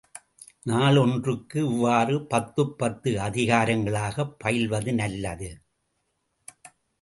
நாள் ஒன்றுக்கு இவ்வாறு பத்துப் பத்து அதிகாரங்களாகப் பயில்வது நல்லது.